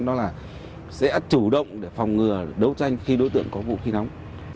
đó là sẽ chủ động để phòng ngừa đấu tranh khi đối tượng có vũ khí nóng